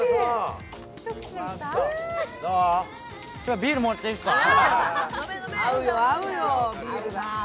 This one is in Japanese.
ビールもらっていいですか？